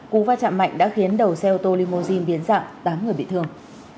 cú va chạm mạnh đã khiến đầu xe ô tô limousine biến dạng tám người bị thương